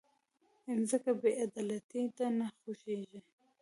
مځکه بېعدالتۍ ته نه خوښېږي.